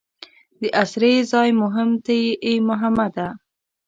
د اسرې ځای مو هم ته یې ای محمده.